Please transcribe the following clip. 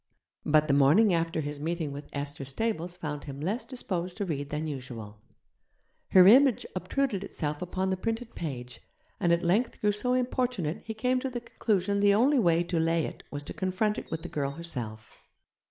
But the morning after his meeting with Esther Stables found him less disposed to read than usual. Her image obtruded itself upon the printed page, and at length grew so importunate he came to the conclusion the only way to lay it was to confront it with the girl herself.